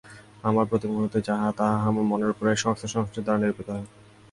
আমরা প্রতি মুহূর্তে যাহা, তাহা আমাদের মনের উপর এই সংস্কার-সমষ্টির দ্বারা নিরূপিত হয়।